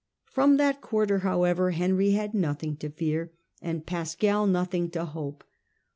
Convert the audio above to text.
From that quarter, however, Henry had nothing to fear, and Pascal nothing to hope.